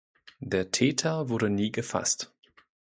Der Täter wurde nie gefasst.